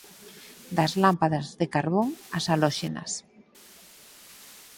Das lámpadas de carbón ás halóxenas